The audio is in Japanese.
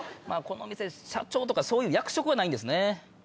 このお店社長とかそういう役職はないんですね。